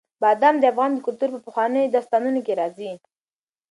بادام د افغان کلتور په پخوانیو داستانونو کې راځي.